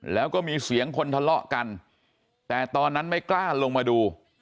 แล้วก็มีเสียงคนทะเลาะกันแต่ตอนนั้นไม่กล้าลงมาดู